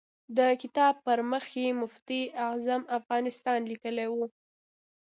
د کتاب پر بل مخ یې مفتي اعظم افغانستان لیکلی و.